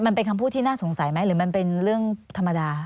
มันเป็นคำพูดที่น่าสงสัยไหมหรือมันเป็นเรื่องธรรมดา